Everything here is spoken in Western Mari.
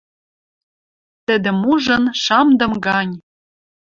Тӹдӹм ужын, шамдым гань